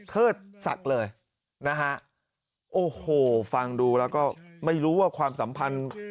เทิดศักดิ์เลยนะฮะโอ้โหฟังดูแล้วก็ไม่รู้ว่าความสัมพันธ์